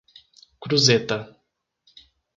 Cruzeta